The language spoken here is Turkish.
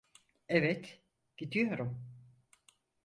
Evet, gidiyorum.